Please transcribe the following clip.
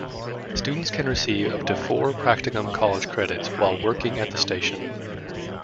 Students can receive up to four practicum college credits while working at the station.